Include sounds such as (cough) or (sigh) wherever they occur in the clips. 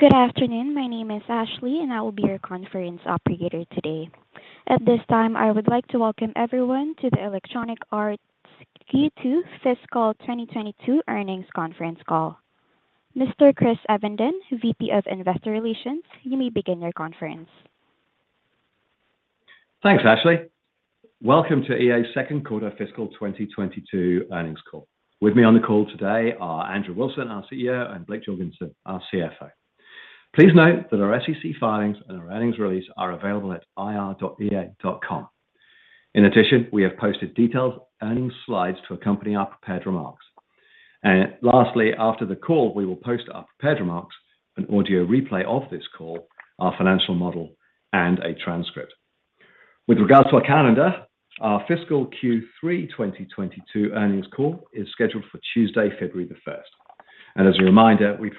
Good afternoon. My name is Ashley, and I will be your conference operator today. At this time, I would like to welcome everyone to the Electronic Arts Q2 Fiscal 2022 Earnings Conference Call. Mr. Chris Evenden, VP of Investor Relations, you may begin your conference. Thanks, Ashley. Welcome to EA's second quarter fiscal 2022 earnings call. With me on the call today are Andrew Wilson, our CEO, and Blake Jorgensen, our CFO. Please note that our SEC filings and our earnings release are available at ir.ea.com. In addition, we have posted detailed earnings slides to accompany our prepared remarks. Lastly, after the call, we will post our prepared remarks, an audio replay of this call, our financial model, and a transcript. With regards to our calendar, our fiscal Q3 2022 earnings call is scheduled for Tuesday, February 1. As a reminder, we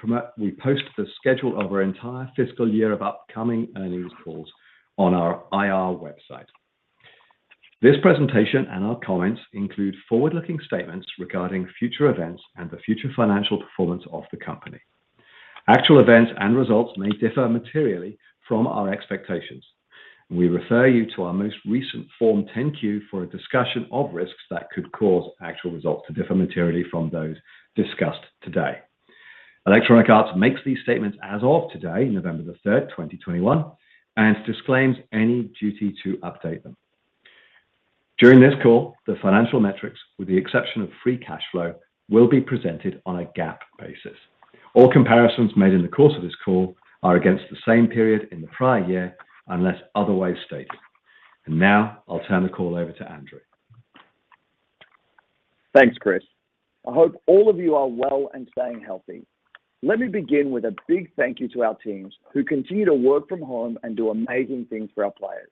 post the schedule of our entire fiscal year of upcoming earnings calls on our IR website. This presentation and our comments include forward-looking statements regarding future events and the future financial performance of the company. Actual events and results may differ materially from our expectations. We refer you to our most recent Form 10-Q for a discussion of risks that could cause actual results to differ materially from those discussed today. Electronic Arts makes these statements as of today, November 3, 2021, and disclaims any duty to update them. During this call, the financial metrics, with the exception of free cash flow, will be presented on a GAAP basis. All comparisons made in the course of this call are against the same period in the prior year, unless otherwise stated. Now I'll turn the call over to Andrew. Thanks, Chris. I hope all of you are well and staying healthy. Let me begin with a big thank you to our teams who continue to work from home and do amazing things for our players.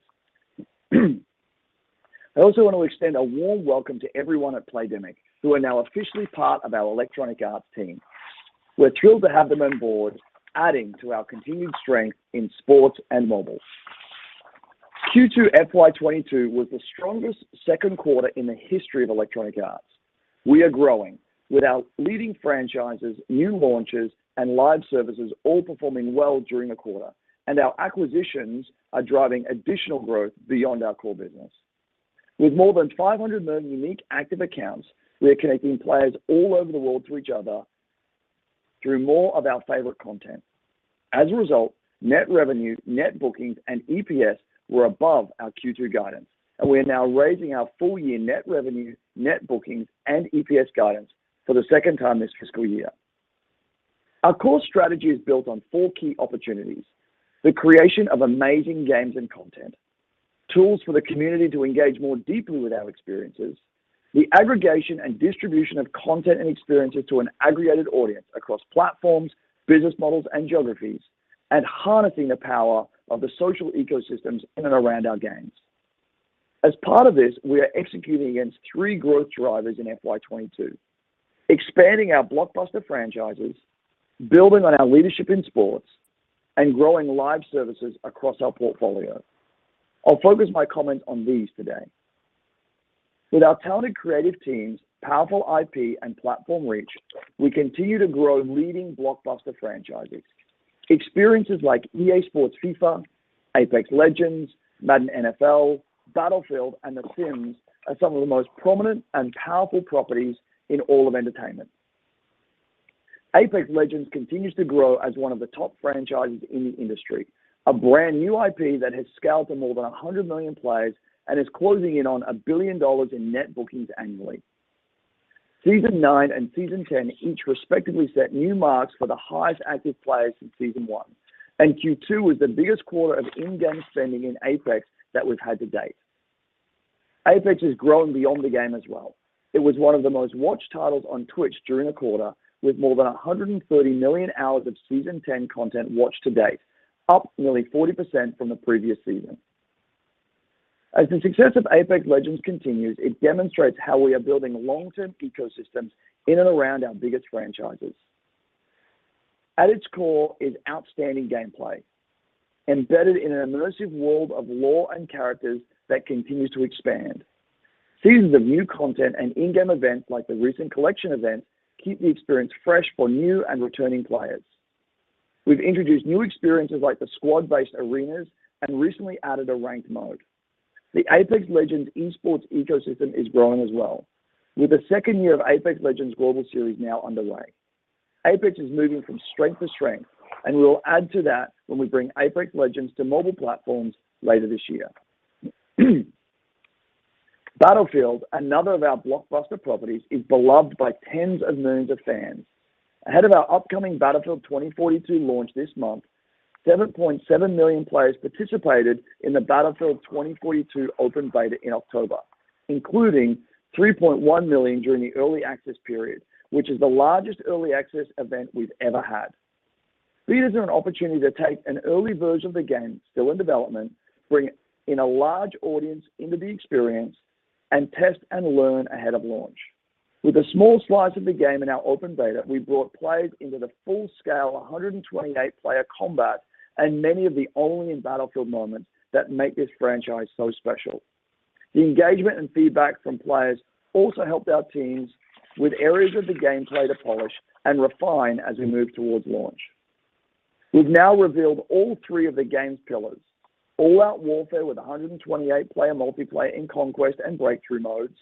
I also want to extend a warm welcome to everyone at Playdemic who are now officially part of our Electronic Arts team. We're thrilled to have them on board, adding to our continued strength in sports and mobile. Q2 FY 2022 was the strongest second quarter in the history of Electronic Arts. We are growing with our leading franchises, new launches, and live services all performing well during the quarter, and our acquisitions are driving additional growth beyond our core business. With more than 500 million unique active accounts, we are connecting players all over the world to each other through more of our favorite content. As a result, net revenue, net bookings, and EPS were above our Q2 guidance, and we are now raising our full-year net revenue, net bookings, and EPS guidance for the second time this fiscal year. Our core strategy is built on four key opportunities, the creation of amazing games and content, tools for the community to engage more deeply with our experiences, the aggregation and distribution of content and experiences to an aggregated audience across platforms, business models, and geographies, and harnessing the power of the social ecosystems in and around our games. As part of this, we are executing against three growth drivers in FY 2022, expanding our blockbuster franchises, building on our leadership in sports, and growing live services across our portfolio. I'll focus my comments on these today. With our talented creative teams, powerful IP, and platform reach, we continue to grow leading blockbuster franchises. Experiences like EA SPORTS FIFA, Apex Legends, Madden NFL, Battlefield, and The Sims are some of the most prominent and powerful properties in all of entertainment. Apex Legends continues to grow as one of the top franchises in the industry, a brand-new IP that has scaled to more than 100 million players and is closing in on $1 billion in net bookings annually. Season Nine and Season 10 each respectively set new marks for the highest active players since Season One, and Q2 was the biggest quarter of in-game spending in Apex that we've had to date. Apex is growing beyond the game as well. It was one of the most-watched titles on Twitch during the quarter, with more than 130 million hours of Season 10 content watched to date, up nearly 40% from the previous season. As the success of Apex Legends continues, it demonstrates how we are building long-term ecosystems in and around our biggest franchises. At its core is outstanding gameplay embedded in an immersive world of lore and characters that continues to expand. Seasons of new content and in-game events like the recent Collection event keep the experience fresh for new and returning players. We've introduced new experiences like the squad-based arenas and recently added a ranked mode. The Apex Legends esports ecosystem is growing as well, with the second year of Apex Legends Global Series now underway. Apex is moving from strength to strength, and we will add to that when we bring Apex Legends to mobile platforms later this year. Battlefield, another of our blockbuster properties, is beloved by tens of millions of fans. Ahead of our upcoming Battlefield 2042 launch this month, 7.7 million players participated in the Battlefield 2042 open beta in October, including 3.1 million during the early access period, which is the largest early access event we've ever had. These are an opportunity to take an early version of the game still in development, bring in a large audience into the experience, and test and learn ahead of launch. With a small slice of the game in our open beta, we brought players into the full-scale 128-player combat and many of the only in Battlefield moments that make this franchise so special. The engagement and feedback from players also helped our teams with areas of the gameplay to polish and refine as we move towards launch. We've now revealed all three of the game's pillars. All-out warfare with a 128-player multiplayer in Conquest and Breakthrough modes,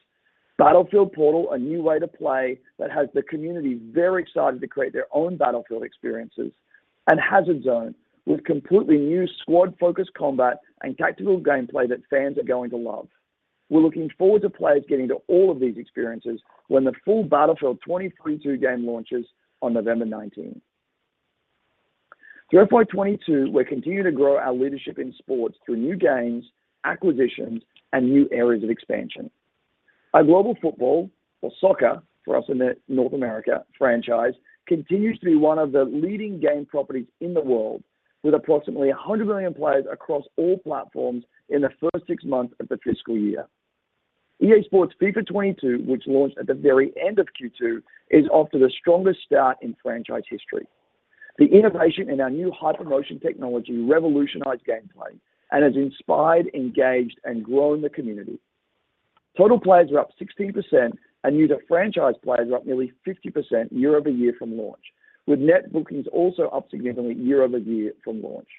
Battlefield Portal, a new way to play that has the community very excited to create their own Battlefield experiences, and Hazard Zone with completely new squad-focused combat and tactical gameplay that fans are going to love. We're looking forward to players getting to all of these experiences when the full Battlefield 2042 game launches on November 19. Through FY 2022, we're continuing to grow our leadership in sports through new games, acquisitions, and new areas of expansion. Our global football, or soccer for us in North America, franchise continues to be one of the leading game properties in the world with approximately 100 million players across all platforms in the first six months of the fiscal year. EA SPORTS FIFA 22, which launched at the very end of Q2, is off to the strongest start in franchise history. The innovation in our new HyperMotion technology revolutionized gameplay and has inspired, engaged, and grown the community. Total players are up 16%, and new-to-franchise players are up nearly 50% year-over-year from launch, with net bookings also up significantly year-over-year from launch.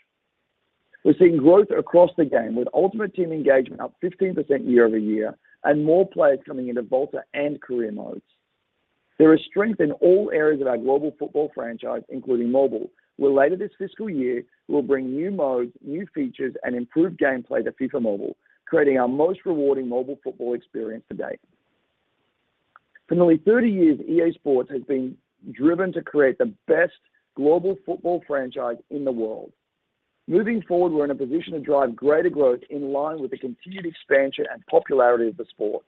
We're seeing growth across the game with Ultimate Team engagement up 15% year-over-year and more players coming into VOLTA and Career modes. There is strength in all areas of our Global Football franchise, including mobile, where later this fiscal year, we will bring new modes, new features, and improved gameplay to FIFA Mobile, creating our most rewarding mobile football experience to date. For nearly 30 years, EA Sports has been driven to create the best global football franchise in the world. Moving forward, we're in a position to drive greater growth in line with the continued expansion and popularity of the sport.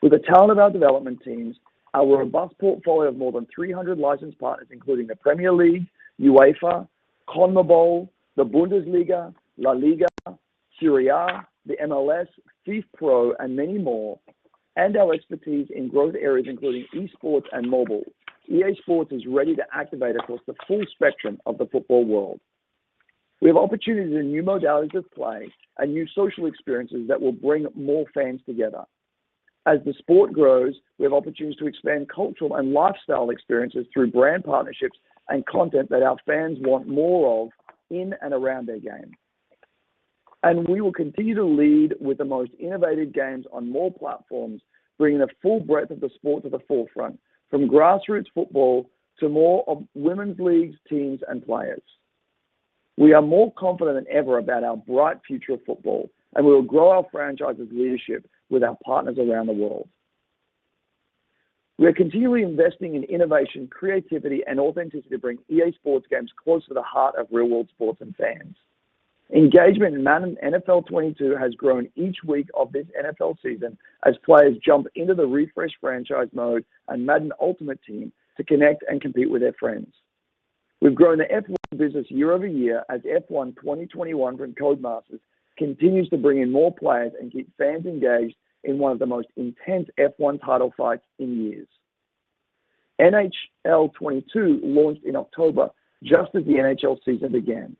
With the talent of our development teams, our robust portfolio of more than 300 licensed partners, including the Premier League, UEFA, CONMEBOL, the Bundesliga, LaLiga, Serie A, the MLS, FIFPRO, and many more, and our expertise in growth areas, including eSports and mobile, EA Sports is ready to activate across the full spectrum of the football world. We have opportunities in new modalities of play and new social experiences that will bring more fans together. As the sport grows, we have opportunities to expand cultural and lifestyle experiences through brand partnerships and content that our fans want more of in and around their game. We will continue to lead with the most innovative games on more platforms, bringing the full breadth of the sport to the forefront, from grassroots football to more of women's leagues, teams, and players. We are more confident than ever about our bright future of football, and we will grow our franchise's leadership with our partners around the world. We are continually investing in innovation, creativity, and authenticity to bring EA SPORTS games close to the heart of real-world sports and fans. Engagement in Madden NFL 22 has grown each week of this NFL season as players jump into the refreshed franchise mode and Madden Ultimate Team to connect and compete with their friends. We've grown the F1 business year-over-year as F1 2021 from Codemasters continues to bring in more players and keep fans engaged in one of the most intense F1 title fights in years. NHL 22 launched in October, just as the NHL season began,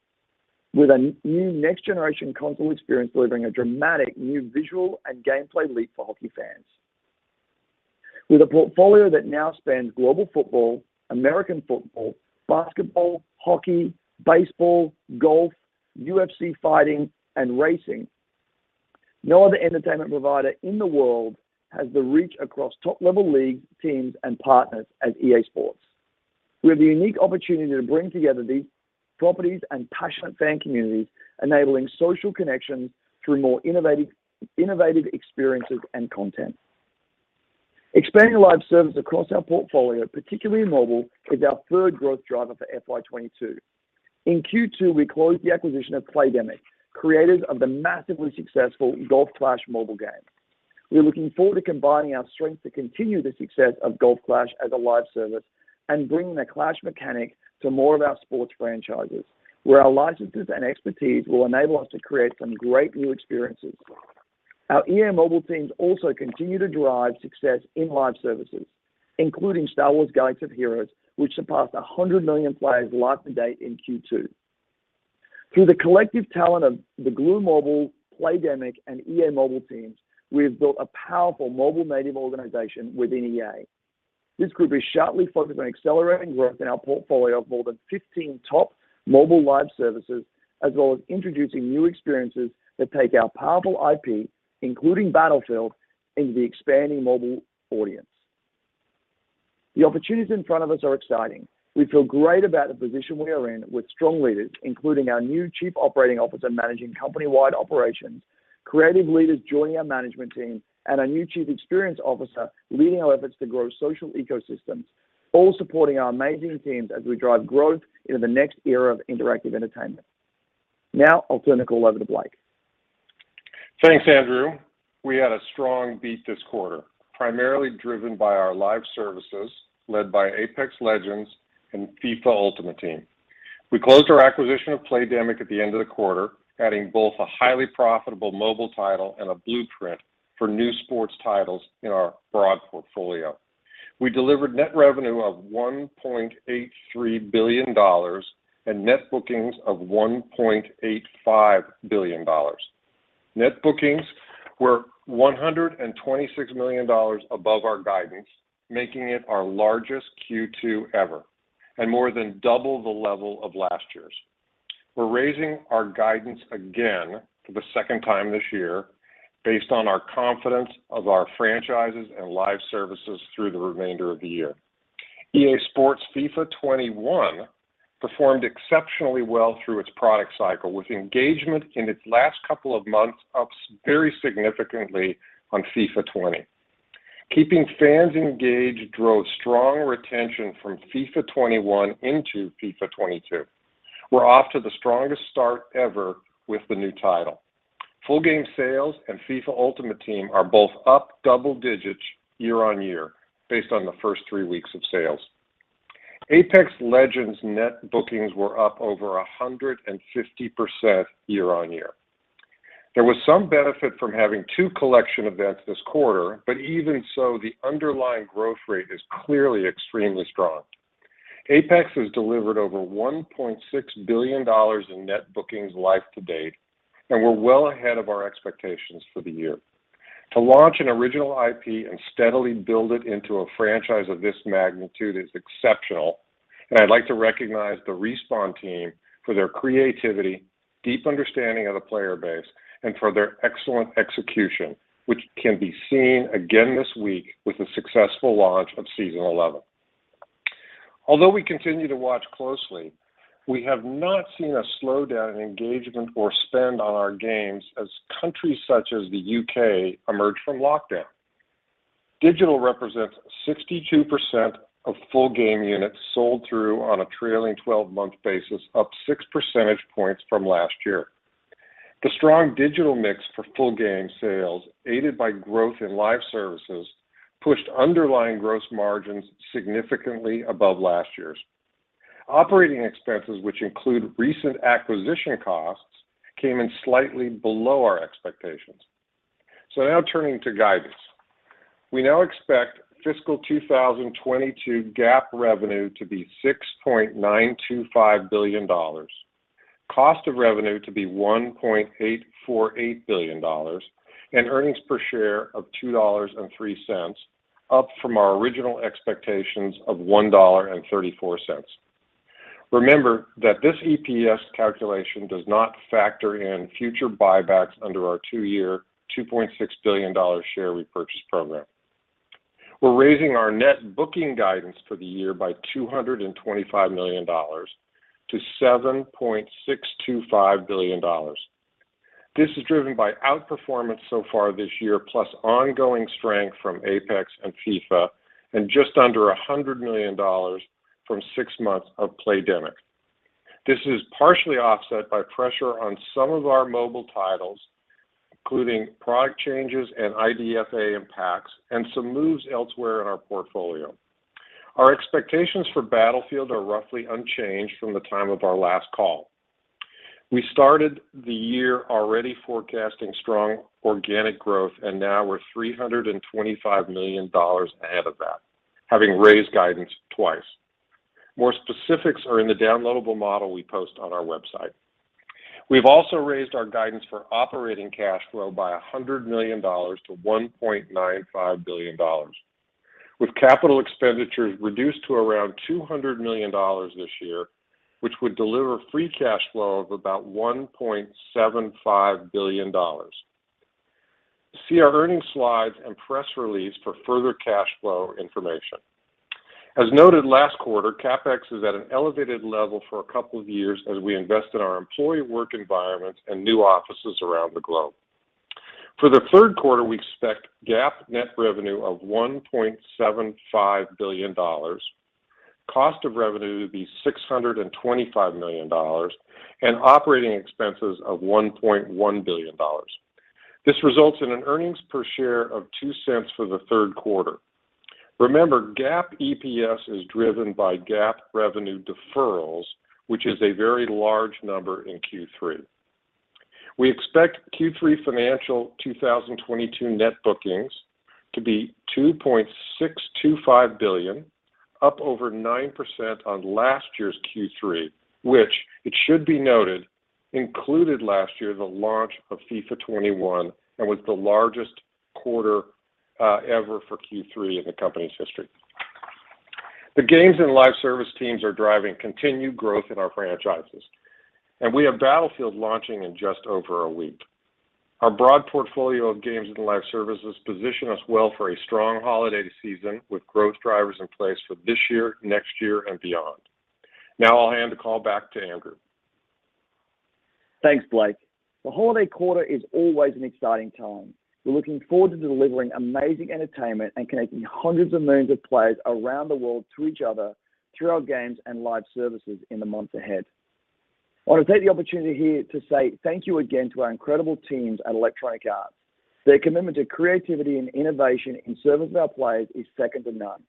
with a new next-generation console experience delivering a dramatic new visual and gameplay leap for hockey fans. With a portfolio that now spans global football, American football, basketball, hockey, baseball, golf, UFC fighting, and racing, no other entertainment provider in the world has the reach across top-level leagues, teams, and partners as EA SPORTS. We have the unique opportunity to bring together these properties and passionate fan communities, enabling social connections through more innovative experiences and content. Expanding live service across our portfolio, particularly in mobile, is our third growth driver for FY 2022. In Q2, we closed the acquisition of Playdemic, creators of the massively successful Golf Clash mobile game. We're looking forward to combining our strengths to continue the success of Golf Clash as a live service and bringing the Clash mechanic to more of our sports franchises, where our licenses and expertise will enable us to create some great new experiences. Our EA Mobile teams also continue to drive success in live services, including Star Wars: Galaxy of Heroes, which surpassed 100 million players live to date in Q2. Through the collective talent of the Glu Mobile, Playdemic, and EA Mobile teams, we have built a powerful mobile-native organization within EA. This group is sharply focused on accelerating growth in our portfolio of more than 15 top mobile live services, as well as introducing new experiences that take our powerful IP, including Battlefield, into the expanding mobile audience. The opportunities in front of us are exciting. We feel great about the position we are in with strong leaders, including our new Chief Operating Officer managing company-wide operations, creative leaders joining our management team, and our new Chief Experience Officer leading our efforts to grow social ecosystems, all supporting our amazing teams as we drive growth into the next era of interactive entertainment. Now I'll turn the call over to Blake. Thanks, Andrew. We had a strong beat this quarter, primarily driven by our live services, led by Apex Legends and FIFA Ultimate Team. We closed our acquisition of Playdemic at the end of the quarter, adding both a highly profitable mobile title and a Blueprint for new sports titles in our broad portfolio. We delivered net revenue of $1.83 billion and net bookings of $1.85 billion. Net bookings were $126 million above our guidance, making it our largest Q2 ever and more than double the level of last year's. We're raising our guidance again for the second time this year based on our confidence of our franchises and live services through the remainder of the year. EA SPORTS FIFA 21 performed exceptionally well through its product cycle, with engagement in its last couple of months up very significantly on FIFA 20. Keeping fans engaged drove strong retention from FIFA 21 into FIFA 22. We're off to the strongest start ever with the new title. Full game sales and FIFA Ultimate Team are both up double digits year-on-year based on the first three weeks of sales. Apex Legends net bookings were up over 150% year-on-year. There was some benefit from having two collection events this quarter, but even so, the underlying growth rate is clearly extremely strong. Apex has delivered over $1.6 billion in net bookings life to date, and we're well ahead of our expectations for the year. To launch an original IP and steadily build it into a franchise of this magnitude is exceptional, and I'd like to recognize the Respawn team for their creativity, deep understanding of the player base, and for their excellent execution, which can be seen again this week with the successful launch of Season 11. Although we continue to watch closely, we have not seen a slowdown in engagement or spend on our games as countries such as the U.K. emerge from lockdown. Digital represents 62% of full game units sold through on a trailing 12-month basis, up 6 percentage points from last year. The strong digital mix for full game sales, aided by growth in live services, pushed underlying gross margins significantly above last year's. Operating expenses, which include recent acquisition costs, came in slightly below our expectations. Now turning to guidance. We now expect fiscal 2022 GAAP revenue to be $6.925 billion, cost of revenue to be $1.848 billion, and earnings per share of $2.03, up from our original expectations of $1.34. Remember that this EPS calculation does not factor in future buybacks under our two-year, $2.6 billion share repurchase program. We're raising our net booking guidance for the year by $225 million to $7.625 billion. This is driven by outperformance so far this year, plus ongoing strength from Apex and FIFA and just under $100 million from six months of Playdemic. This is partially offset by pressure on some of our mobile titles, including product changes and IDFA impacts and some moves elsewhere in our portfolio. Our expectations for Battlefield are roughly unchanged from the time of our last call. We started the year already forecasting strong organic growth, and now we're $325 million ahead of that, having raised guidance twice. More specifics are in the downloadable model we post on our website. We've also raised our guidance for operating cash flow by $100 million to $1.95 billion, with capital expenditures reduced to around $200 million this year, which would deliver free cash flow of about $1.75 billion. See our earnings slides and press release for further cash flow information. As noted last quarter, CapEx is at an elevated level for a couple of years as we invest in our employee work environments and new offices around the globe. For the third quarter, we expect GAAP net revenue of $1.75 billion, cost of revenue to be $625 million, and operating expenses of $1.1 billion. This results in an earnings per share of $0.02 for the third quarter. Remember, GAAP EPS is driven by GAAP revenue deferrals, which is a very large number in Q3. We expect Q3 fiscal 2022 net bookings to be $2.625 billion, up over 9% on last year's Q3, which it should be noted, included last year the launch of FIFA 21 and was the largest quarter ever for Q3 in the company's history. The games and live service teams are driving continued growth in our franchises, and we have Battlefield launching in just over a week. Our broad portfolio of games and live services position us well for a strong holiday season with growth drivers in place for this year, next year and beyond. Now I'll hand the call back to Andrew. Thanks, Blake. The holiday quarter is always an exciting time. We're looking forward to delivering amazing entertainment and connecting hundreds of millions of players around the world to each other through our games and live services in the months ahead. I want to take the opportunity here to say thank you again to our incredible teams at Electronic Arts. Their commitment to creativity and innovation in service of our players is second to none.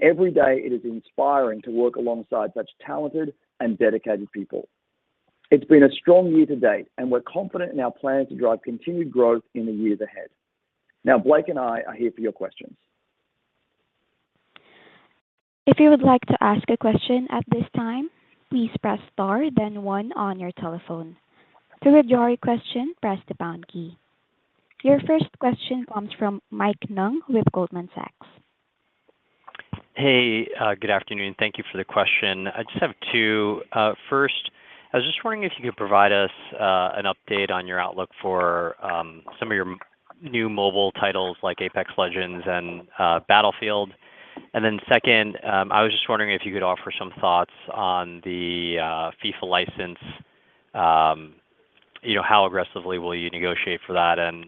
Every day it is inspiring to work alongside such talented and dedicated people. It's been a strong year to date, and we're confident in our plan to drive continued growth in the years ahead. Now, Blake and I are here for your questions. If you would like to ask a question at this time, please press star, then one on your telephone, to withdraw your question press the pound key. Our first question comes from Mike Ng with Goldman Sachs. Hey, good afternoon. Thank you for the question. I just have two. First, I was just wondering if you could provide us an update on your outlook for some of your new mobile titles like Apex Legends and Battlefield. Then second, I was just wondering if you could offer some thoughts on the FIFA license. You know, how aggressively will you negotiate for that, and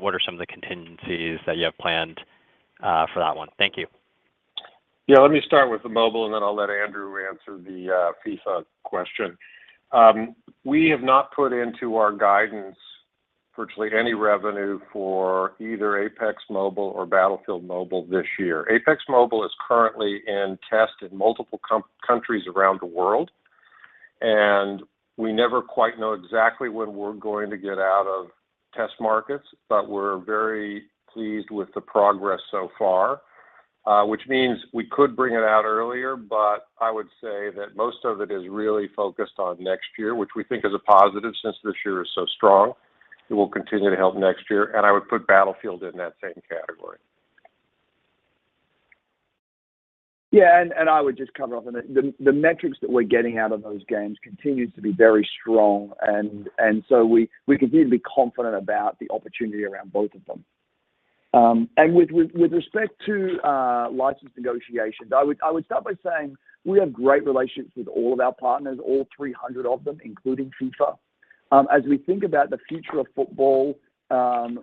what are some of the contingencies that you have planned for that one? Thank you. Yeah. Let me start with the mobile, and then I'll let Andrew answer the FIFA question. We have not put into our guidance virtually any revenue for either Apex Mobile or Battlefield Mobile this year. Apex Mobile is currently in test in multiple countries around the world, and we never quite know exactly when we're going to get out of test markets, but we're very pleased with the progress so far. Which means we could bring it out earlier, but I would say that most of it is really focused on next year, which we think is a positive since this year is so strong. It will continue to help next year, and I would put Battlefield in that same category. Yeah, I would just cover off on that. The metrics that we're getting out of those games continues to be very strong and so we continue to be confident about the opportunity around both of them. With respect to license negotiations, I would start by saying we have great relationships with all of our partners, all 300 of them, including FIFA. As we think about the future of football,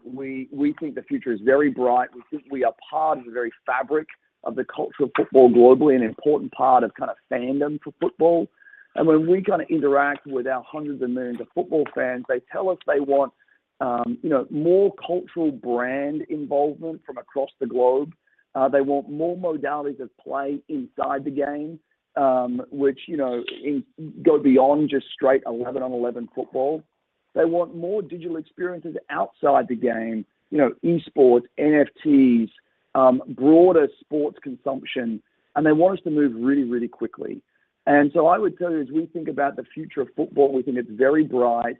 we think the future is very bright. We think we are part of the very fabric of the culture of football globally, an important part of kinda fandom for football. When we kinda interact with our hundreds of millions of football fans, they tell us they want, you know, more cultural brand involvement from across the globe. They want more modalities of play inside the game, which, you know, go beyond just straight 11-on-11 football. They want more digital experiences outside the game, you know, e-sports, NFTs, broader sports consumption, and they want us to move really quickly. I would tell you, as we think about the future of football, we think it's very bright.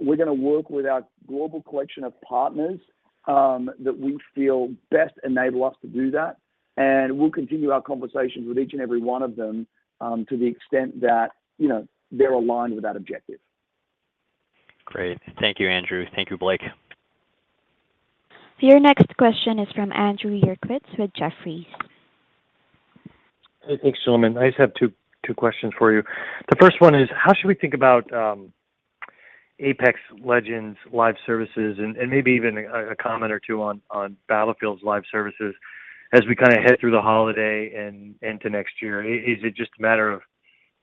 We're gonna work with our global collection of partners that we feel best enable us to do that, and we'll continue our conversations with each and every one of them to the extent that, you know, they're aligned with that objective. Great. Thank you, Andrew. Thank you, Blake. Your next question is from Andrew Uerkwitz with Jefferies. Hey. Thanks, gentlemen. I just have two questions for you. The first one is, how should we think about Apex Legends live services and maybe even a comment or two on Battlefield's live services as we kinda head through the holiday and into next year? Is it just a matter of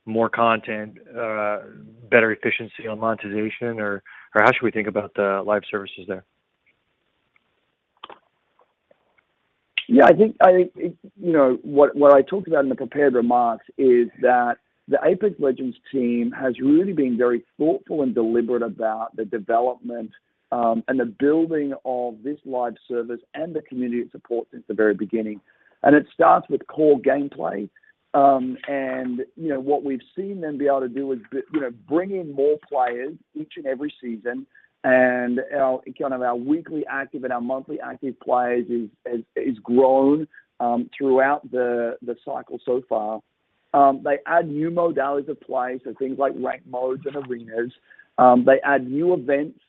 more content, better efficiency on monetization, or how should we think about the live services there? Yeah. I think it. You know, what I talked about in the prepared remarks is that the Apex Legends team has really been very thoughtful and deliberate about the development, and the building of this live service and the community it supports since the very beginning, and it starts with core gameplay. You know, what we've seen them be able to do is you know, bring in more players each and every season, and our, kind of our weekly active and our monthly active players has grown throughout the cycle so far. They add new modalities of play, so things like ranked modes and arenas. They add new events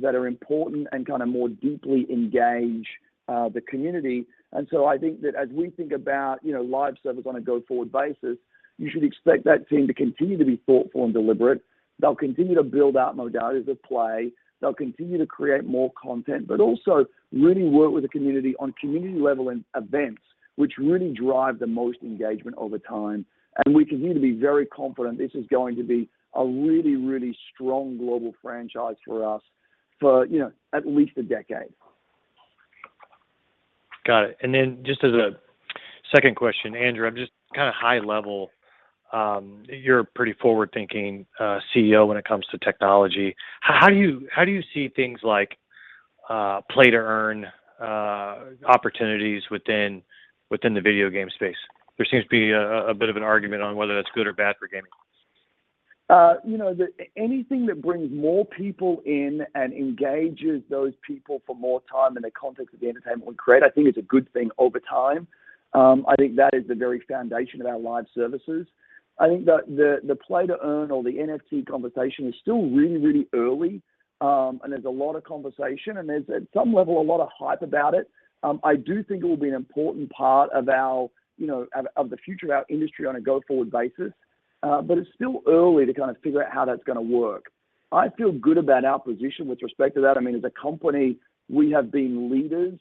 that are important and kinda more deeply engage the community. I think that as we think about, you know, live service on a go-forward basis, you should expect that team to continue to be thoughtful and deliberate. They'll continue to build out modalities of play. They'll continue to create more content, but also really work with the community on community-level and events which really drive the most engagement over time. We continue to be very confident this is going to be a really, really strong global franchise for us for, you know, at least a decade. Got it. Then just as a second question, Andrew, I'm just kinda high level. You're a pretty forward-thinking CEO when it comes to technology. How do you see things like play to earn opportunities within the video game space? There seems to be a bit of an argument on whether that's good or bad for gaming consoles. You know, anything that brings more people in and engages those people for more time in the context of the entertainment we create I think is a good thing over time. I think that is the very foundation of our live services. I think the play to earn or the NFT conversation is still really, really early, and there's a lot of conversation, and at some level, a lot of hype about it. I do think it will be an important part of our, you know, of the future of our industry on a go-forward basis, but it's still early to kinda figure out how that's gonna work. I feel good about our position with respect to that. I mean, as a company, we have been leaders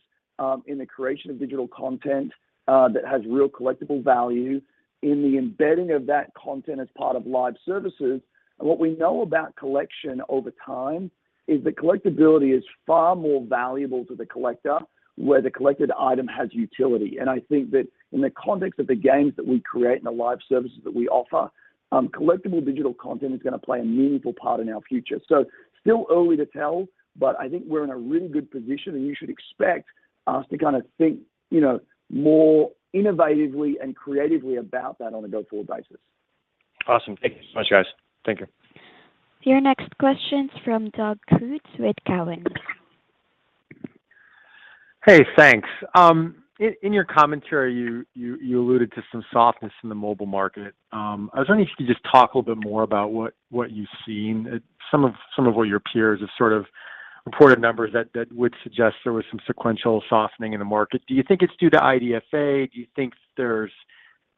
in the creation of digital content that has real collectible value in the embedding of that content as part of live services. What we know about collection over time is that collectibility is far more valuable to the collector where the collected item has utility. I think that in the context of the games that we create and the live services that we offer, collectible digital content is going to play a meaningful part in our future. Still early to tell, but I think we're in a really good position, and you should expect us to kind of think, you know, more innovatively and creatively about that on a go-forward basis. Awesome. Thank you so much, guys. Thank you. Your next question's from Doug Creutz with Cowen. Hey, thanks. In your commentary, you alluded to some softness in the mobile market. I was wondering if you could just talk a little bit more about what you've seen. Some of what your peers have sort of reported numbers that would suggest there was some sequential softening in the market. Do you think it's due to IDFA? Do you think there's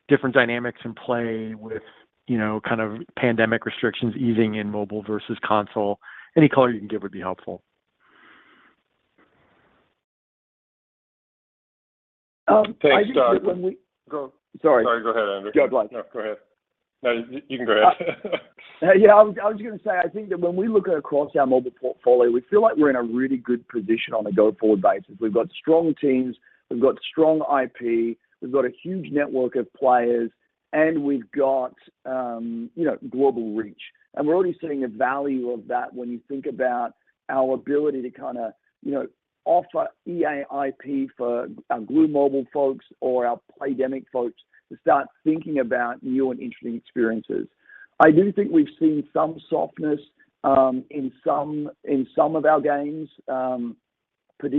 different dynamics in play with, you know, kind of pandemic restrictions easing in mobile versus console? Any color you can give would be helpful. I think that when we Thanks, Doug. Go. Sorry. Sorry, go ahead, Andrew. Go ahead, Blake. No, go ahead. No, you can go ahead. Yeah, I was just going to say, I think that when we look across our mobile portfolio, we feel like we're in a really good position on a go-forward basis. We've got strong teams, we've got strong IP, we've got a huge network of players, and we've got, you know, global reach. We're already seeing the value of that when you think about our ability to kind of, you know, offer EA IP for our Glu Mobile folks or our Playdemic folks to start thinking about new and interesting experiences. I do think we've seen some softness in some of our games, you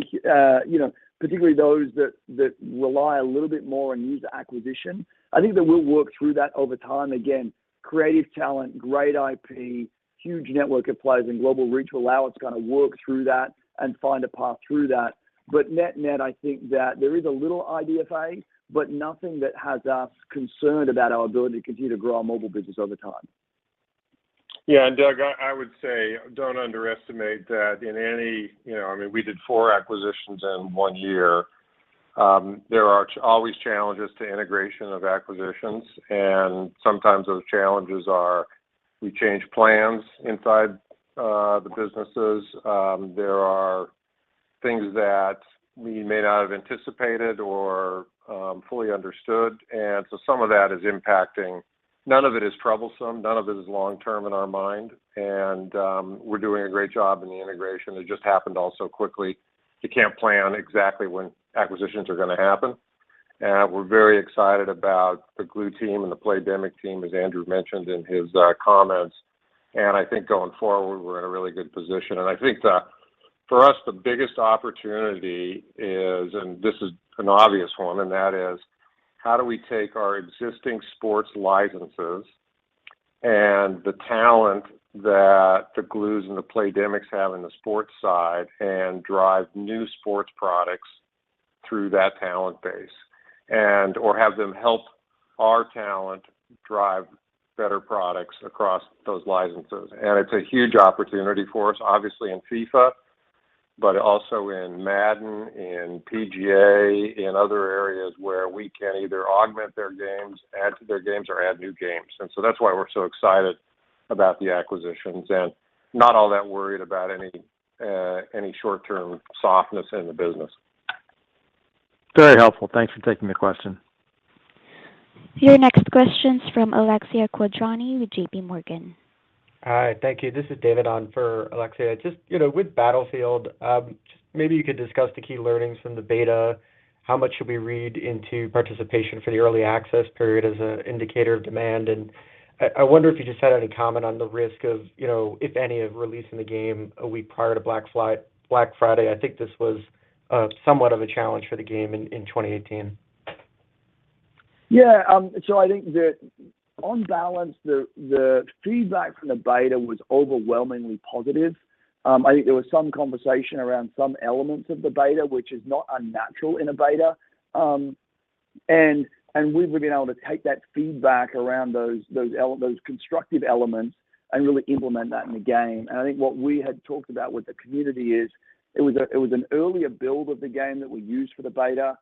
know, particularly those that rely a little bit more on user acquisition. I think that we'll work through that over time. Again, creative talent, great IP, huge network of players and global reach will allow us to kind of work through that and find a path through that. But net-net, I think that there is a little IDFA, but nothing that has us concerned about our ability to continue to grow our mobile business over time. Yeah. Doug, I would say don't underestimate that in any. You know, I mean, we did four acquisitions in one year. There are always challenges to integration of acquisitions, and sometimes those challenges are we change plans inside the businesses. There are things that we may not have anticipated or fully understood. So some of that is impacting. None of it is troublesome, none of it is long term in our mind. We're doing a great job in the integration. It just happened all so quickly. You can't plan exactly when acquisitions are going to happen. We're very excited about the Glu team and the Playdemic team, as Andrew mentioned in his comments. I think going forward, we're in a really good position. I think that for us, the biggest opportunity is, and this is an obvious one, and that is: How do we take our existing sports licenses and the talent that the Glu's and the Playdemic's have in the sports side and drive new sports products through that talent base and or have them help our talent drive better products across those licenses? It's a huge opportunity for us, obviously in FIFA, but also in Madden, in PGA, in other areas where we can either augment their games, add to their games, or add new games. That's why we're so excited about the acquisitions and not all that worried about any short-term softness in the business. Very helpful. Thanks for taking the question. Your next question's from Alexia Quadrani with J.P. Morgan. Hi. Thank you. This is David on for Alexia. Just, you know, with Battlefield, just maybe you could discuss the key learnings from the beta. How much should we read into participation for the early access period as an indicator of demand? I wonder if you just had any comment on the risk of, you know, if any, of releasing the game a week prior to Black Friday. I think this was somewhat of a challenge for the game in 2018. I think on balance, the feedback from the beta was overwhelmingly positive. I think there was some conversation around some elements of the beta, which is not unnatural in a beta. And we've been able to take that feedback around those constructive elements and really implement that in the game. I think what we had talked about with the community is it was an earlier build of the game that we used for the beta,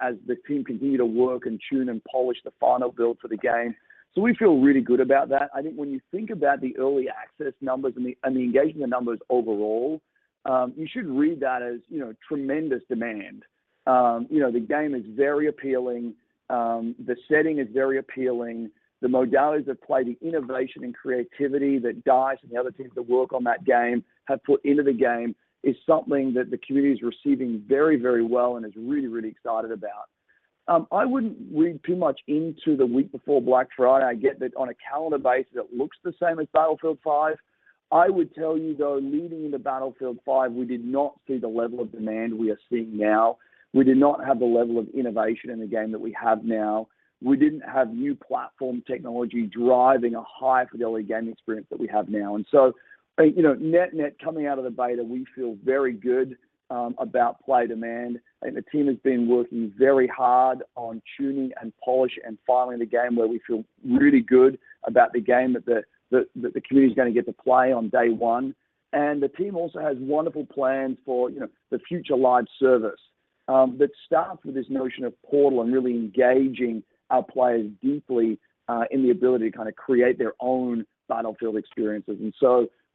as the team continued to work and tune and polish the final build for the game. We feel really good about that. I think when you think about the early access numbers and the engagement numbers overall, you should read that as, you know, tremendous demand. You know, the game is very appealing. The setting is very appealing. The modalities of play, the innovation and creativity that DICE and the other teams that work on that game have put into the game is something that the community is receiving very, very well and is really, really excited about. I wouldn't read too much into the week before Black Friday. I get that on a calendar basis, it looks the same as Battlefield V. I would tell you, though, leading into Battlefield V, we did not see the level of demand we are seeing now. We did not have the level of innovation in the game that we have now. We didn't have new platform technology driving a high-Fidelity game experience that we have now. You know, net-net, coming out of the beta, we feel very good about player demand, and the team has been working very hard on tuning and polish and filling the game where we feel really good about the game that the community is going to get to play on day one. The team also has wonderful plans for, you know, the future live service that starts with this notion of Portal and really engaging our players deeply in the ability to kinda create their own Battlefield experiences.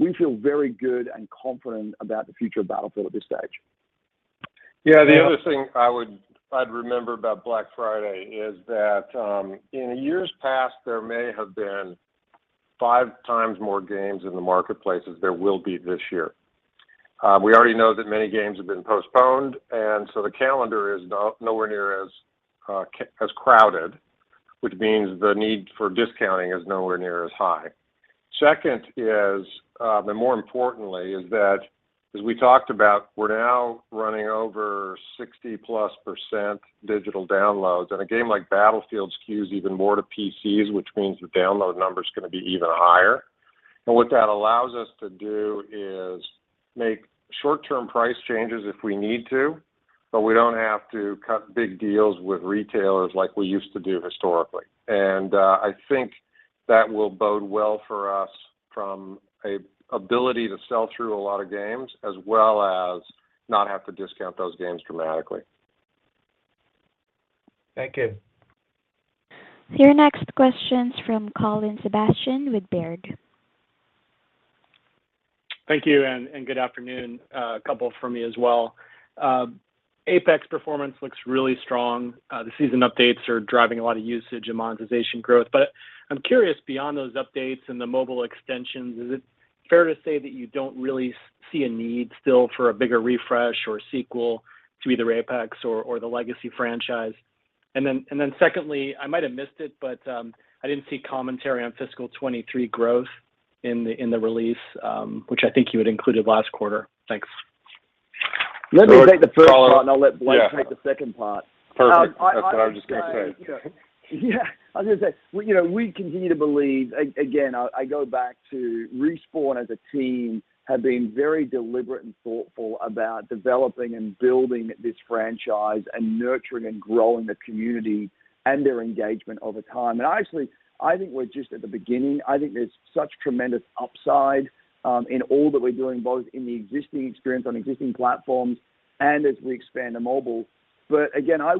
We feel very good and confident about the future of Battlefield at this stage. Yeah. The other thing I'd remember about Black Friday is that, in years past, there may have been 5x more games in the marketplace as there will be this year. We already know that many games have been postponed, and so the calendar is nowhere near as crowded, which means the need for discounting is nowhere near as high. Second is, but more importantly is that as we talked about, we're now running over 60% digital downloads. A game like Battlefield skews even more to PCs, which means the download number's gonna be even higher. What that allows us to do is make short-term price changes if we need to, but we don't have to cut big deals with retailers like we used to do historically. I think that will bode well for us from a ability to sell through a lot of games as well as not have to discount those games dramatically. Thank you. Your next question's from Colin Sebastian with Baird. Thank you, good afternoon. A couple from me as well. Apex performance looks really strong. The season updates are driving a lot of usage and monetization growth. I'm curious, beyond those updates and the mobile extensions, is it fair to say that you don't really see a need still for a bigger refresh or a sequel to either Apex or the Legacy franchise? Secondly, I might have missed it, but I didn't see commentary on fiscal 2023 growth in the release, which I think you had included last quarter. Thanks. Colin- Let me take the first part, and I'll let Blake. Yeah. Take the second part. (crosstalk) Perfect. That's what I was just gonna say. Yeah. I was gonna say, you know, we continue to believe. Again, I go back to Respawn as a team have been very deliberate and thoughtful about developing and building this franchise and nurturing and growing the community and their engagement over time. I actually think we're just at the beginning. I think there's such tremendous upside in all that we're doing, both in the existing experience on existing platforms and as we expand to mobile. Again, I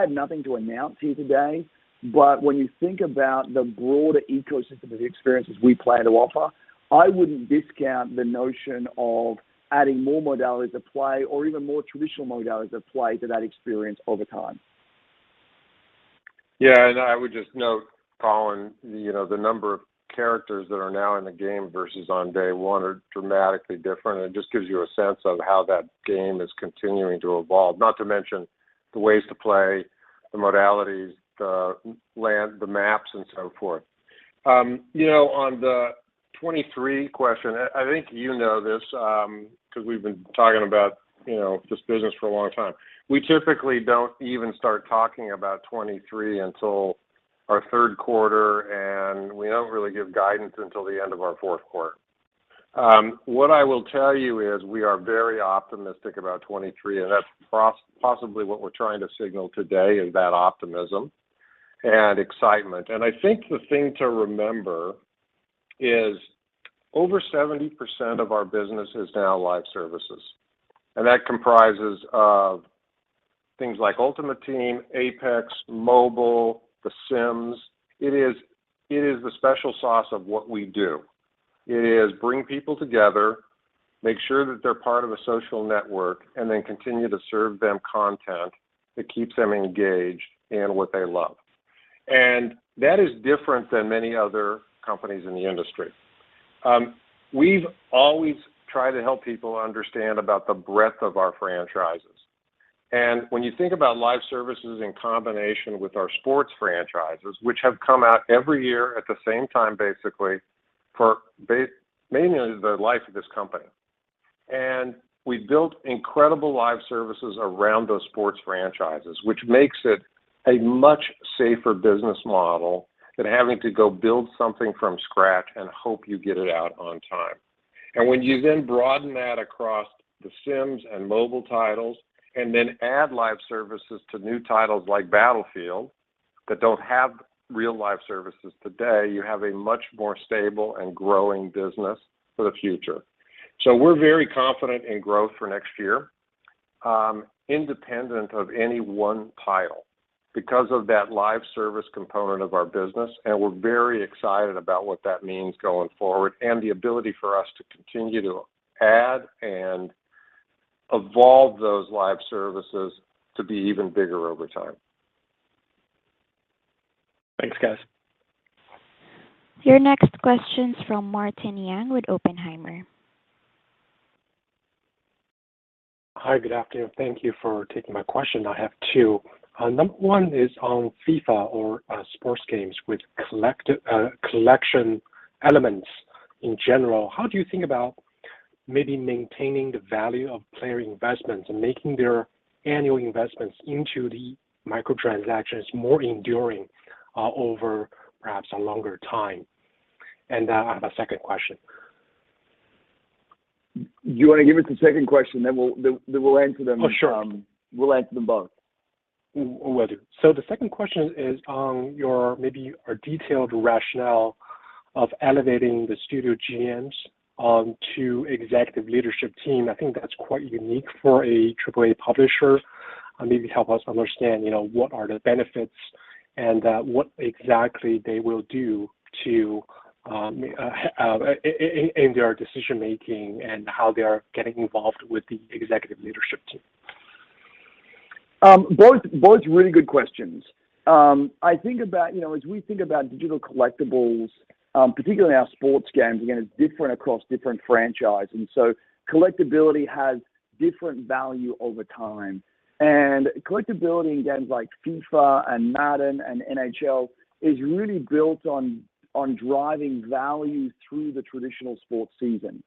have nothing to announce here today, but when you think about the broader ecosystem of the experiences we plan to offer, I wouldn't discount the notion of adding more modalities of play or even more traditional modalities of play to that experience over time. Yeah. I would just note, Colin, you know, the number of characters that are now in the game versus on day one are dramatically different, and it just gives you a sense of how that game is continuing to evolve. Not to mention the ways to play, the modalities, the land, the maps, and so forth. You know, on the 2023 question, I think you know this, 'cause we've been talking about, you know, just business for a long time. We typically don't even start talking about 2023 until our third quarter, and we don't really give guidance until the end of our fourth quarter. What I will tell you is we are very optimistic about 2023, and that's possibly what we're trying to signal today is that optimism and excitement. I think the thing to remember is over 70% of our business is now live services, and that comprises of things like Ultimate Team, Apex, mobile, The Sims. It is the special sauce of what we do. It is bring people together, make sure that they're part of a social network, and then continue to serve them content that keeps them engaged in what they love. That is different than many other companies in the industry. We've always tried to help people understand about the breadth of our franchises. When you think about live services in combination with our sports franchises, which have come out every year at the same time basically for many of them the life of this company. We've built incredible live services around those sports franchises, which makes it a much safer business model than having to go build something from scratch and hope you get it out on time. When you then broaden that across The Sims and mobile titles, and then add live services to new titles like Battlefield that don't have real live services today, you have a much more stable and growing business for the future. We're very confident in growth for next year, independent of any one title because of that live service component of our business, and we're very excited about what that means going forward and the ability for us to continue to add and evolve those live services to be even bigger over time. Thanks, guys. Your next question's from Martin Yang with Oppenheimer. Hi. Good afternoon. Thank you for taking my question. I have two. Number one is on FIFA or sports games with collection elements in general. How do you think about maybe maintaining the value of player investments and making their annual investments into the microtransactions more enduring over perhaps a longer time? Then I have a second question. You wanna give us the second question, then we'll answer them. Oh, sure. We'll answer them both. Will do. The second question is on your maybe a detailed rationale of elevating the studio GMs to executive leadership team. I think that's quite unique for AAA publisher. Maybe help us understand, you know, what are the benefits and what exactly they will do in their decision-making and how they are getting involved with the executive leadership team. Both really good questions. I think about, you know, as we think about digital collectibles, particularly in our sports games, again, it's different across different franchises, and so collectibility has different value over time. Collectibility in games like FIFA and Madden and NHL is really built on driving value through the traditional sports season.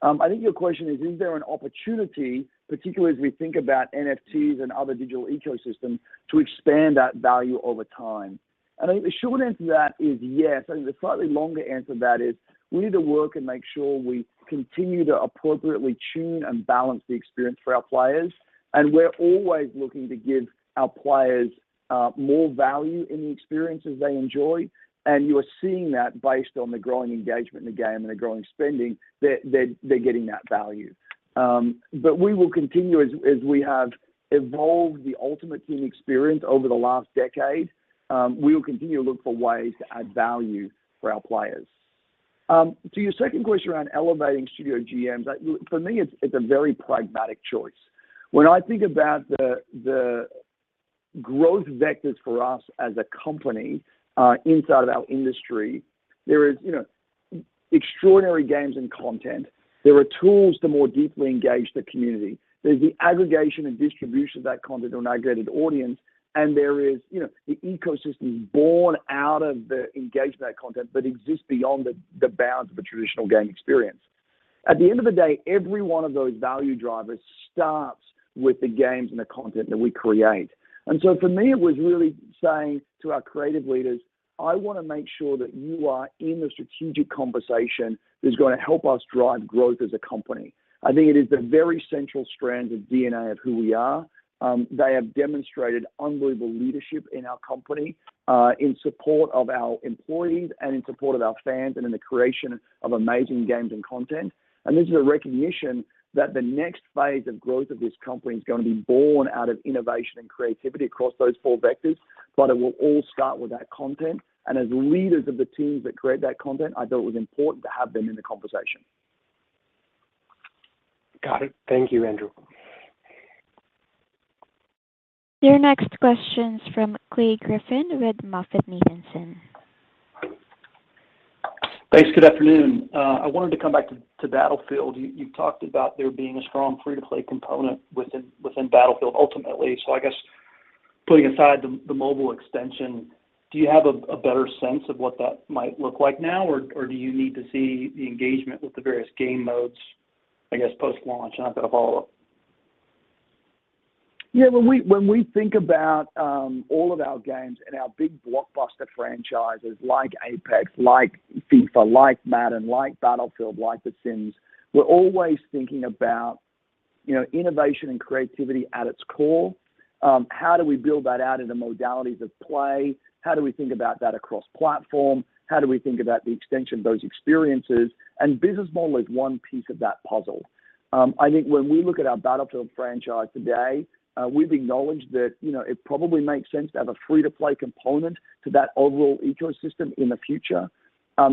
I think your question is there an opportunity, particularly as we think about NFTs and other digital ecosystems, to expand that value over time? I think the short answer to that is yes, and the slightly longer answer to that is we need to work and make sure we continue to appropriately tune and balance the experience for our players. We're always looking to give our players more value in the experiences they enjoy, and you are seeing that based on the growing engagement in the game and the growing spending, that they're getting that value. We will continue as we have evolved the Ultimate Team experience over the last decade, we will continue to look for ways to add value for our players. To your second question around elevating studio GMs, for me, it's a very pragmatic choice. When I think about the growth vectors for us as a company, inside of our industry, there is extraordinary games and content. There are tools to more deeply engage the community. There's the aggregation and distribution of that content or an aggregated audience, and there is, you know, the ecosystem born out of the engagement of that content, but exists beyond the bounds of a traditional game experience. At the end of the day, every one of those value drivers starts with the games and the content that we create. For me, it was really saying to our creative leaders, "I want to make sure that you are in the strategic conversation that's going to help us drive growth as a company." I think it is the very central strand of DNA of who we are. They have demonstrated unbelievable leadership in our company, in support of our employees and in support of our fans and in the creation of amazing games and content. This is a recognition that the next phase of growth of this company is going to be born out of innovation and creativity across those four vectors, but it will all start with that content. As leaders of the teams that create that content, I thought it was important to have them in the conversation. Got it. Thank you, Andrew. Your next question is from Clay Griffin with MoffettNathanson. Thanks. Good afternoon. I wanted to come back to Battlefield. You talked about there being a strong free-to-play component within Battlefield ultimately. So I guess putting aside the mobile extension, do you have a better sense of what that might look like now? Or do you need to see the engagement with the various game modes, I guess, post-launch? I've got a follow-up. Yeah. When we think about all of our games and our big blockbuster franchises like Apex, like FIFA, like Madden, like Battlefield, like The Sims, we're always thinking about, you know, innovation and creativity at its core. How do we build that out in the modalities of play? How do we think about that across platform? How do we think about the extension of those experiences? Business model is one piece of that puzzle. I think when we look at our Battlefield franchise today, we've acknowledged that, you know, it probably makes sense to have a free-to-play component to that overall ecosystem in the future.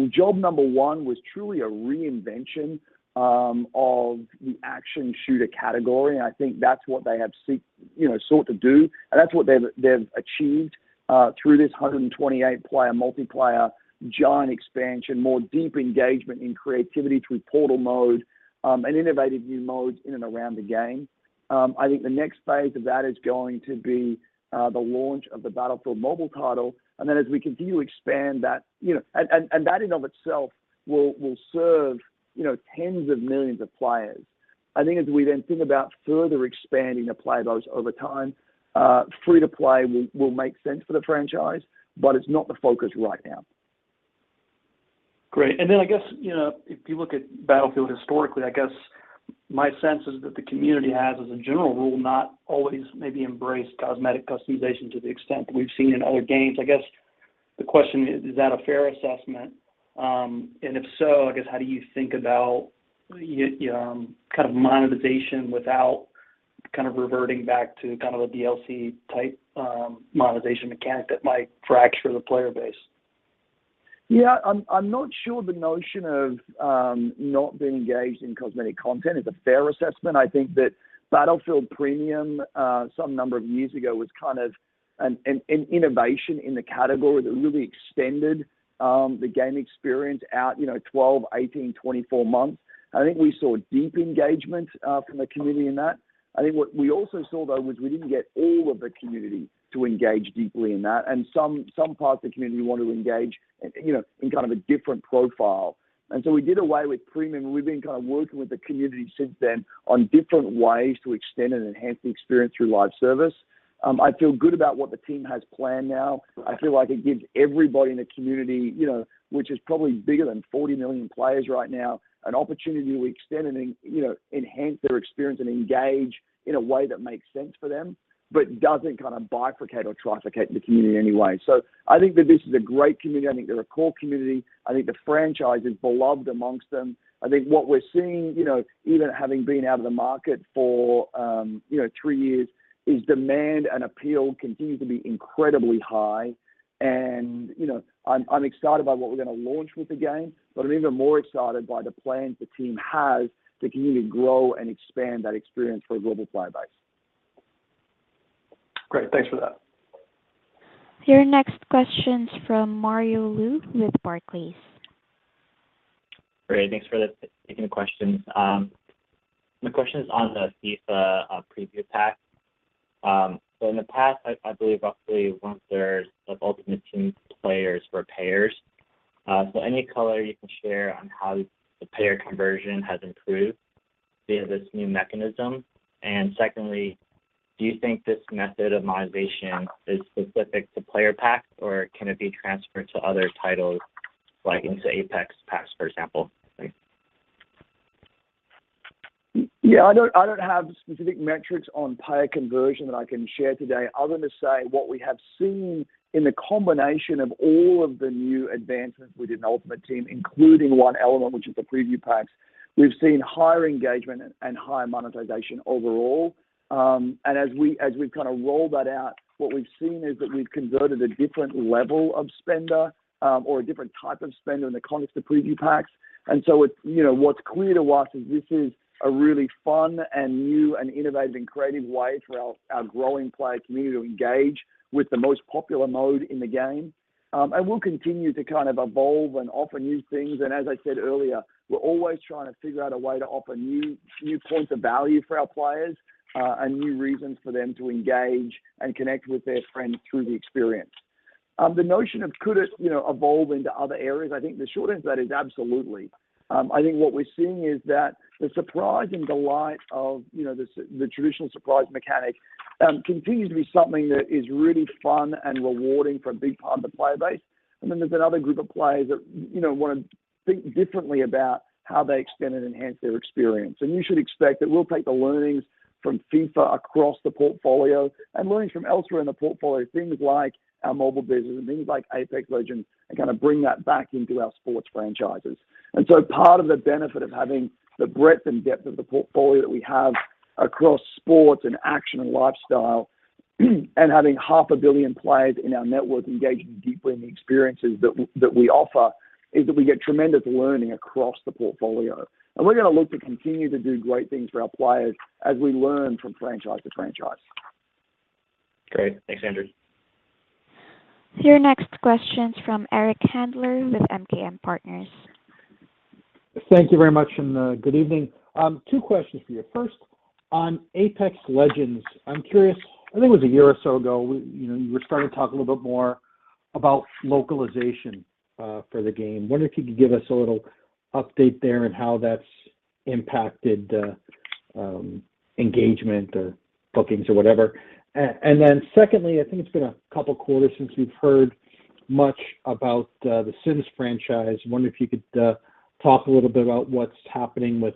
Job number one was truly a reinvention of the action shooter category, and I think that's what they have sought to do, and that's what they've achieved through this 128-player multiplayer giant expansion, more deep engagement in creativity through Portal mode, and innovative new modes in and around the game. I think the next phase of that is going to be the launch of the Battlefield Mobile title, and then as we continue to expand that, you know, and that in and of itself will serve, you know, tens of millions of players. I think as we then think about further expanding the play modes over time, free-to-play will make sense for the franchise, but it's not the focus right now. Great. Then I guess, you know, if you look at Battlefield historically, I guess my sense is that the community has as a general rule, not always maybe embraced cosmetic customization to the extent that we've seen in other games. I guess the question is that a fair assessment? If so, I guess how do you think about kind of monetization without kind of reverting back to kind of a DLC type monetization mechanic that might fracture the player base? Yeah. I'm not sure the notion of not being engaged in cosmetic content is a fair assessment. I think that Battlefield Premium some number of years ago was kind of an innovation in the category that really extended the game experience out, you know, 12, 18, 24 months. I think we saw deep engagement from the community in that. I think what we also saw though was we didn't get all of the community to engage deeply in that, and some parts of the community want to engage, you know, in kind of a different profile. We did away with Premium, and we've been kind of working with the community since then on different ways to extend and enhance the experience through live service. I feel good about what the team has planned now. I feel like it gives everybody in the community, you know, which is probably bigger than 40 million players right now, an opportunity to extend and, you know, enhance their experience and engage in a way that makes sense for them, but doesn't kind of bifurcate or trifurcate the community in any way. I think that this is a great community. I think they're a core community. I think the franchise is beloved amongst them. I think what we're seeing, you know, even having been out of the market for, you know, three years, is demand and appeal continue to be incredibly high. You know, I'm excited by what we're gonna launch with the game, but I'm even more excited by the plans the team has to continue to grow and expand that experience for a global player base. Great. Thanks for that. Your next question's from Mario Lu with Barclays. Great. Thanks for taking the questions. My question is on the FIFA preview pack. So in the past, I believe, roughly 1/3 of Ultimate Team players were payers. So any color you can share on how the payer conversion has improved via this new mechanism? And secondly, do you think this method of monetization is specific to player pack or can it be transferred to other titles like into Apex packs, for example? Thanks. Yeah, I don't have specific metrics on payer conversion that I can share today. Other than to say what we have seen in the combination of all of the new advancements within Ultimate Team, including one element, which is the preview packs. We've seen higher engagement and higher monetization overall. As we've kind of rolled that out, what we've seen is that we've converted a different level of spender, or a different type of spender in the context of preview packs. It's, you know, what's clear to us is this is a really fun and new and innovative and creative way for our growing player community to engage with the most popular mode in the game. We'll continue to kind of evolve and offer new things. As I said earlier, we're always trying to figure out a way to offer new points of value for our players and new reasons for them to engage and connect with their friends through the experience. The notion of could it, you know, evolve into other areas, I think the short answer to that is absolutely. I think what we're seeing is that the surprise and delight of, you know, the traditional surprise mechanic continues to be something that is really fun and rewarding for a big part of the player base. There's another group of players that, you know, wanna think differently about how they extend and enhance their experience. You should expect that we'll take the learnings from FIFA across the portfolio and learnings from elsewhere in the portfolio, things like our mobile business and things like Apex Legends, and kind of bring that back into our sports franchises. Part of the benefit of having the breadth and depth of the portfolio that we have across sports and action and lifestyle, and having half a billion players in our network engaging deeply in the experiences that we offer, is that we get tremendous learning across the portfolio. We're gonna look to continue to do great things for our players as we learn from franchise to franchise. Great. Thanks, Andrew. Your next question's from Eric Handler with MKM Partners. Thank you very much, and good evening. Two questions for you. First, on Apex Legends, I'm curious. I think it was a year or so ago, we, you know, you were starting to talk a little bit more about localization for the game. Wondering if you could give us a little update there and how that's impacted engagement or bookings or whatever. And then secondly, I think it's been a couple quarters since we've heard much about The Sims franchise. Wondering if you could talk a little bit about what's happening with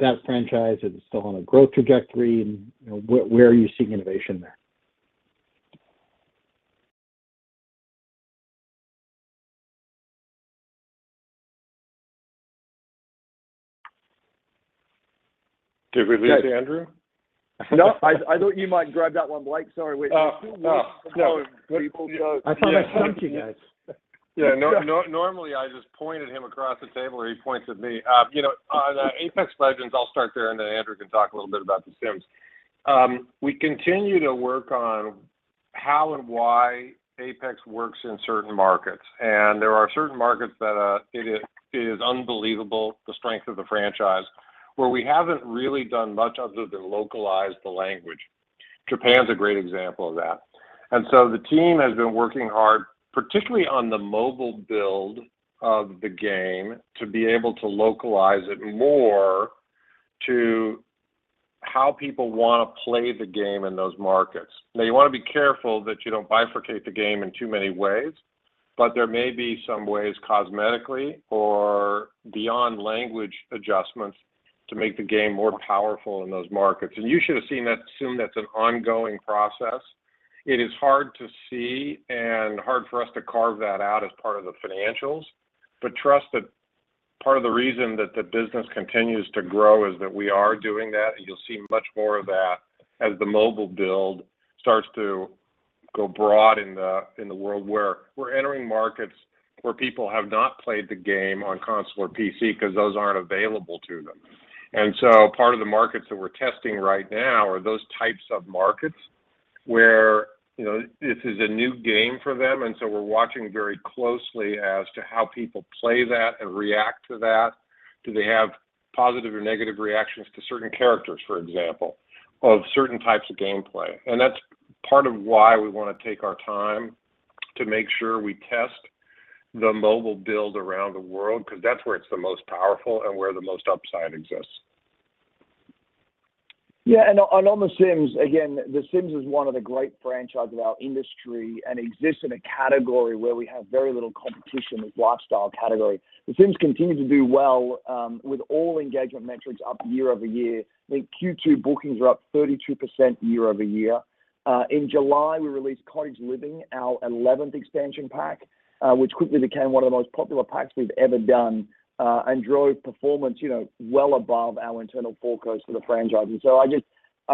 that franchise. Is it still on a growth trajectory? You know, where are you seeing innovation there? Did we lose Andrew? No, I thought you might grab that one, Blake. Sorry. Wait. Oh, no. No. People go- I thought I stumped you guys. Yeah, normally, I just pointed him across the table, or he points at me. You know, on Apex Legends, I'll start there, and then Andrew can talk a little bit about The Sims. We continue to work on how and why Apex works in certain markets. There are certain markets that it is unbelievable the strength of the franchise, where we haven't really done much other than localize the language. Japan's a great example of that. The team has been working hard, particularly on the mobile build of the game, to be able to localize it more to how people want to play the game in those markets. Now you want to be careful that you don't bifurcate the game in too many ways, but there may be some ways cosmetically or beyond language adjustments to make the game more powerful in those markets. You should assume that's an ongoing process. It is hard to see and hard for us to carve that out as part of the financials. Trust that part of the reason that the business continues to grow is that we are doing that, and you'll see much more of that as the mobile build starts to go broad in the, in the world where we're entering markets where people have not played the game on console or PC because those aren't available to them. Part of the markets that we're testing right now are those types of markets, where, you know, this is a new game for them, and so we're watching very closely as to how people play that and react to that. Do they have positive or negative reactions to certain characters, for example, or certain types of gameplay? That's part of why we want to take our time to make sure we test the mobile build around the world, because that's where it's the most powerful and where the most upside exists. Yeah, on The Sims, again, The Sims is one of the great franchises of our industry and exists in a category where we have very little competition, this lifestyle category. The Sims continues to do well, with all engagement metrics up year-over-year. I think Q2 bookings were up 32% year-over-year. In July, we released Cottage Living, our 11th expansion pack, which quickly became one of the most popular packs we've ever done, and drove performance, you know, well above our internal forecast for the franchise. I just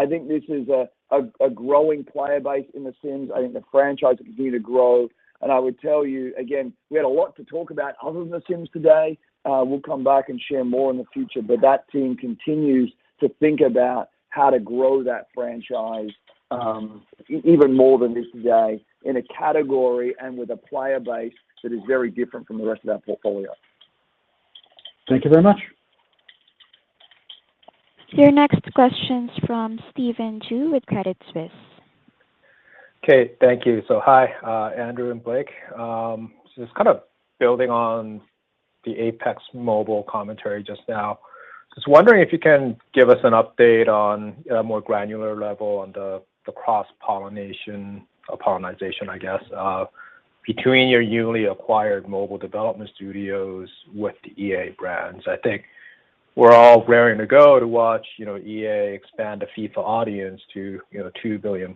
think this is a growing player base in The Sims. I think the franchise continues to grow. I would tell you again, we had a lot to talk about other than The Sims today. We'll come back and share more in the future, but that team continues to think about how to grow that franchise, even more than this today in a category and with a player base that is very different from the rest of our portfolio. Thank you very much. Your next question's from Stephen Ju with Credit Suisse. Okay. Thank you. Hi, Andrew and Blake. Just kind of building on the Apex mobile commentary just now. Just wondering if you can give us an update on a more granular level on the cross-pollination or pollination, I guess, between your newly acquired mobile development studios with the EA brands. I think we're all raring to go to watch, you know, EA expand the FIFA audience to, you know, 2 billion+,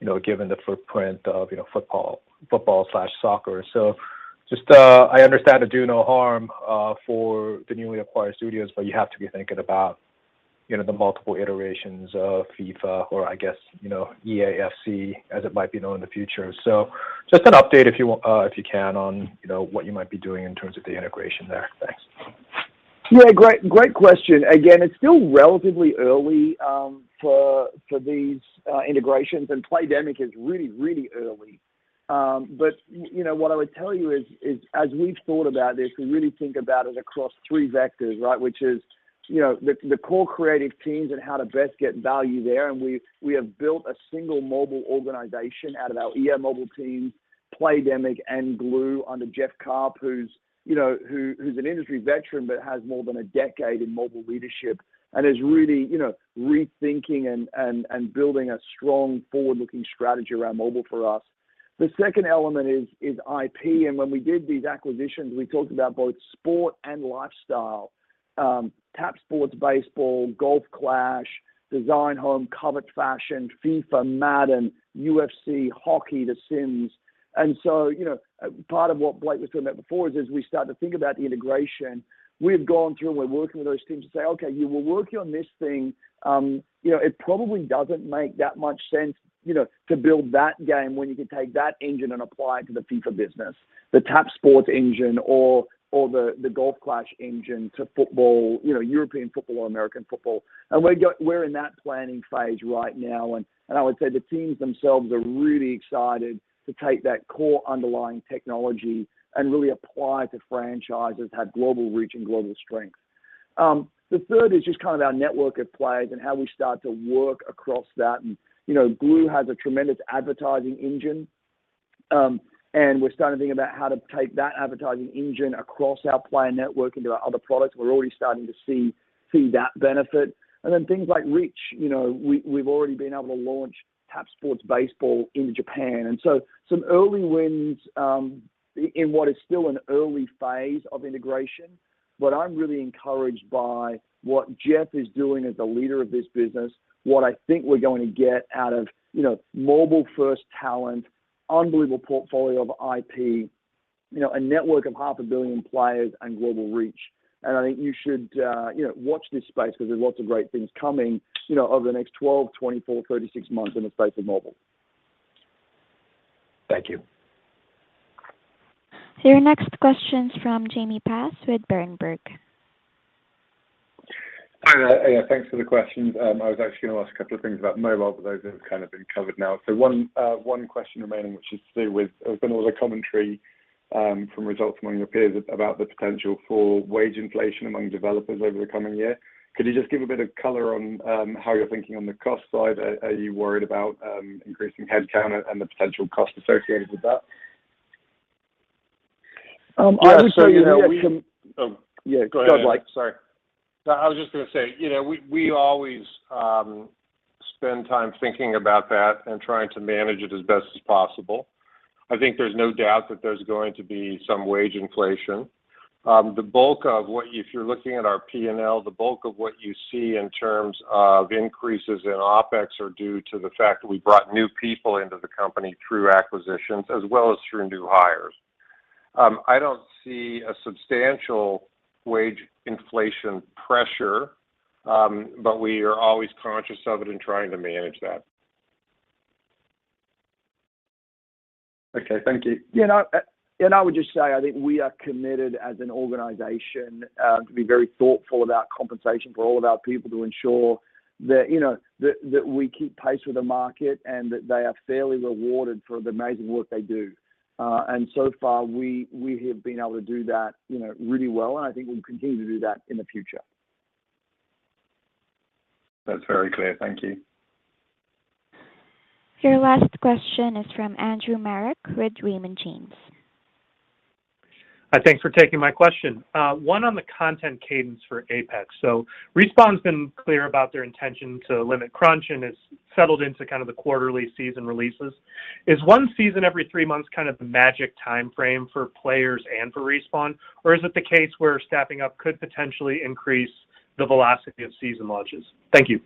you know, given the footprint of, you know, football/soccer. I understand the do no harm for the newly acquired studios, but you have to be thinking about, you know, the multiple iterations of FIFA or I guess, you know, EAFC as it might be known in the future. Just an update if you can on, you know, what you might be doing in terms of the integration there. Thanks. Yeah, great question. Again, it's still relatively early for these integrations, and Playdemic is really early. But you know, what I would tell you is as we've thought about this, we really think about it across three vectors, right? Which is you know, the core creative teams and how to best get value there. We have built a single mobile organization out of our EA Mobile team, Playdemic, and Glu under Jeff Karp, who's an industry veteran, but has more than a decade in mobile leadership and is really you know, rethinking and building a strong forward-looking strategy around mobile for us. The second element is IP. When we did these acquisitions, we talked about both sport and lifestyle. MLB Tap Sports Baseball, Golf Clash, Design Home, Covet Fashion, FIFA, Madden, UFC, NHL, The Sims. You know, part of what Blake was talking about before is as we start to think about the integration we've gone through and we're working with those teams to say, "Okay, you were working on this thing. You know, it probably doesn't make that much sense, you know, to build that game when you can take that engine and apply it to the FIFA business, the Tap Sports engine or the Golf Clash engine to football, you know, European football or American football." We're in that planning phase right now, and I would say the teams themselves are really excited to take that core underlying technology and really apply it to franchises have global reach and global strength. The third is just kind of our network of players and how we start to work across that. You know, Glu has a tremendous advertising engine, and we're starting to think about how to take that advertising engine across our player network into our other products. We're already starting to see that benefit. Then things like reach. You know, we've already been able to launch MLB Tap Sports Baseball in Japan, and so some early wins in what is still an early phase of integration. I'm really encouraged by what Jeff is doing as the leader of this business, what I think we're going to get out of, you know, mobile-first talent, unbelievable portfolio of IP, you know, a network of half a billion players and global reach. I think you should watch this space because there's lots of great things coming over the next 12, 24, 36 months in the space of mobile. Thank you. Your next question's from Jamie Bass with Berenberg. Hi, yeah, thanks for the questions. I was actually going to ask a couple of things about mobile, but those have kind of been covered now. One question remaining, which is to do with there's been all the commentary from results among your peers about the potential for wage inflation among developers over the coming year. Could you just give a bit of color on how you're thinking on the cost side? Are you worried about increasing headcount and the potential cost associated with that? I would say we had some Yeah. You know, Oh. Yeah, go ahead, Blake. Go ahead, Blake. Sorry. I was just gonna say, you know, we always spend time thinking about that and trying to manage it as best as possible. I think there's no doubt that there's going to be some wage inflation. If you're looking at our P&L, the bulk of what you see in terms of increases in OpEx are due to the fact that we brought new people into the company through acquisitions as well as through new hires. I don't see a substantial wage inflation pressure, but we are always conscious of it and trying to manage that. Okay. Thank you. You know, and I would just say, I think we are committed as an organization to be very thoughtful about compensation for all of our people to ensure that, you know, that we keep pace with the market and that they are fairly rewarded for the amazing work they do. So far we have been able to do that, you know, really well, and I think we'll continue to do that in the future. That's very clear. Thank you. Your last question is from Andrew Marok with Raymond James. Hi. Thanks for taking my question. One on the content cadence for Apex. Respawn's been clear about their intention to limit crunch, and it's settled into kind of the quarterly season releases. Is one season every three months kind of the magic timeframe for players and for Respawn, or is it the case where staffing up could potentially increase the velocity of season launches? Thank you.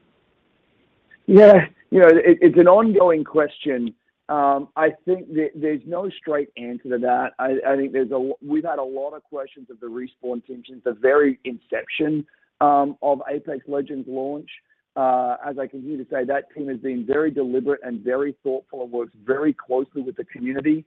Yeah. You know, it's an ongoing question. I think there's no straight answer to that. We've had a lot of questions of the Respawn team since the very inception of Apex Legends launch. As I continue to say, that team has been very deliberate and very thoughtful and works very closely with the community.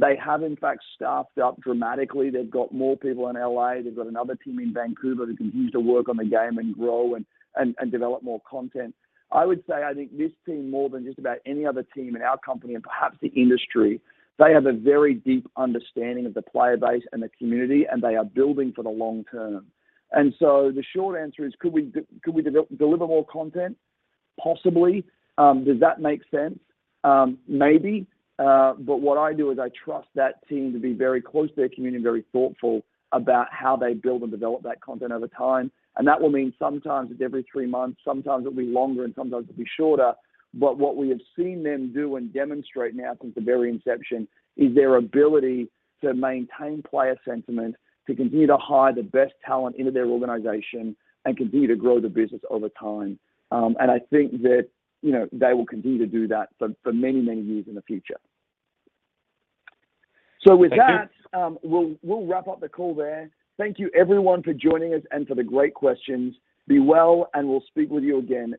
They have in fact staffed up dramatically. They've got more people in L.A. They've got another team in Vancouver that continues to work on the game and grow and develop more content. I would say I think this team, more than just about any other team in our company and perhaps the industry, they have a very deep understanding of the player base and the community, and they are building for the long term. The short answer is could we deliver more content? Possibly. Does that make sense? Maybe. What I do is I trust that team to be very close to their community and very thoughtful about how they build and develop that content over time, and that will mean sometimes it's every three months, sometimes it'll be longer, and sometimes it'll be shorter. What we have seen them do and demonstrate now since the very inception is their ability to maintain player sentiment, to continue to hire the best talent into their organization, and continue to grow the business over time. I think that, you know, they will continue to do that for many years in the future. Thank you. With that, we'll wrap up the call there. Thank you everyone for joining us and for the great questions. Be well, and we'll speak with you again soon.